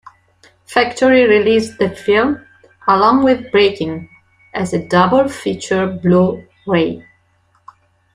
Factory released the film, along with "Breakin"', as a double feature Blu-ray.